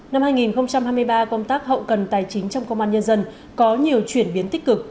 năm hai nghìn hai mươi ba công tác hậu cần tài chính trong công an nhân dân có nhiều chuyển biến tích cực